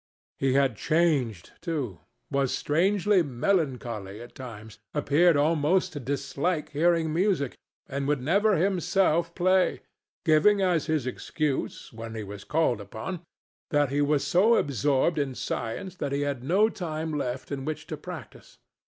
He had changed, too—was strangely melancholy at times, appeared almost to dislike hearing music, and would never himself play, giving as his excuse, when he was called upon, that he was so absorbed in science that he had no time left in which to practise.